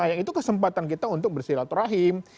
yang itu kesempatan kita untuk bersilaturahim